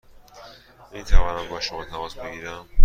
می توانم با شما تماس بگیرم؟